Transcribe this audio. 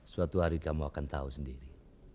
suatu hari kamu akan tahu sendiri